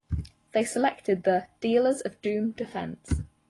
They selected the "Dealers of Doom Defense".